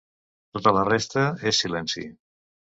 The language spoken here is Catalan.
Tota la resta és silenci.